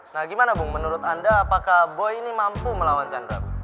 nah gimana bung menurut anda apakah boy ini mampu melawan chandra